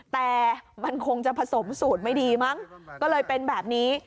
แต่มันคงจะผสมสูตรไม่ดีมั้งก็เลยเป็นแบบนี้